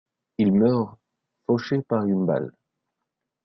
Il meurt, fauché par une balle.